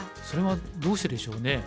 それはどうしてでしょうね。